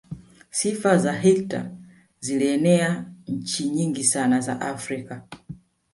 sifa za hitler zilienea nchi nyingi sana za afrika